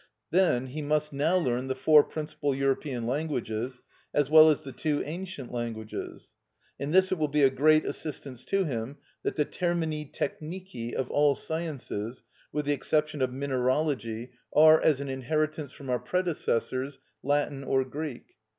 Then he must now learn the four principal European languages, as well as the two ancient languages. In this it will be a great assistance to him that the termini technici of all sciences (with the exception of mineralogy) are, as an inheritance from our predecessors, Latin or Greek.